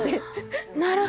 なるほど！